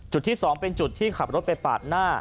จุดที่๒เป็นจุดที่ขับรถไปปาดหน้า